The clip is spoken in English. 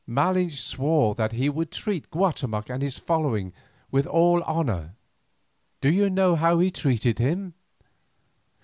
Malinche swore that he would treat Guatemoc and his following with all honour. Do you know how he treated him?